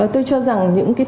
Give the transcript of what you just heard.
tôi cho rằng những thông tin